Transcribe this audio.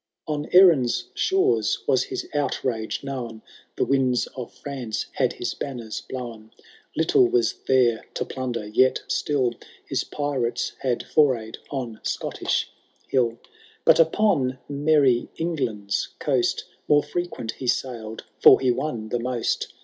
II. On EIrin's shores was his outrage known. The winds of France had his banners blown ; Little was there to plunder, jet still His pirates had forayed on Scottish hill : 120 HAROLD THE DAUNTLISS. But upon merry Englaad^B coast More fi«quent he sail'd, for he won the most.